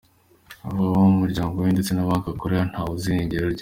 Baba abo mu muryango we ndetse na banki akorera, ntawe uzi irengero rye